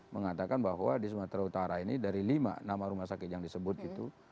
mengatakan bahwa di sumatera utara ini dari lima nama rumah sakit yang disebut itu